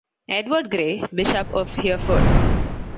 Edward Grey, Bishop of Hereford.